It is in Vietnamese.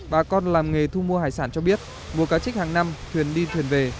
bà con làm nghề thu mua hải sản cho biết mùa cá trích hàng năm thuyền đi thuyền về